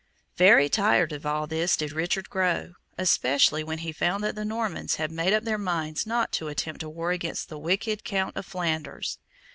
Very tired of all this did Richard grow, especially when he found that the Normans had made up their minds not to attempt a war against the wicked Count of Flanders.